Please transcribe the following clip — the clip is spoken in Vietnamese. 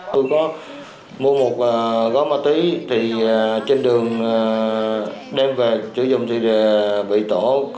tôi có mua một gói ma túy thì trên đường đem về sử dụng thì bị tổ